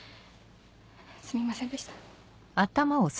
すみませんでした。